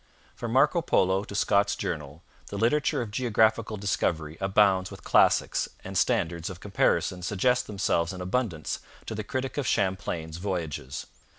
From Marco Polo to Scott's Journal the literature of geographical discovery abounds with classics, and standards of comparison suggest themselves in abundance to the critic of Champlain's Voyages.